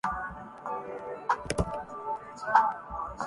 انسان، سماج اور زندگی کے باب میں، جوہری طور پر دو ہی نقطہ ہائے نظر رہے ہیں۔